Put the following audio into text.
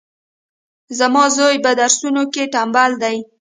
زما زوی پهدرسونو کي ټمبل دی